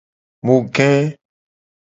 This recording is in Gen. Mu ge.